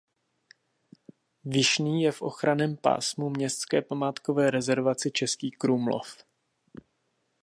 Vyšný je v ochranném pásmu městské památkové rezervace Český Krumlov.